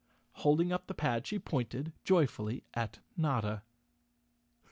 Holding up the pad she pointed joyfully at Notta.